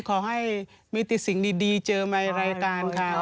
ขอให้ไม่ติดสิ่งดีเจอมารายการค่ะ